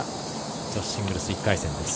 女子シングルス１回戦です。